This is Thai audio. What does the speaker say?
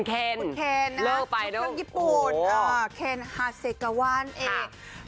เอ่อคุณเคนเลิกไปด้วยอ๋อคนฮาเซกวร์นเองค่ะ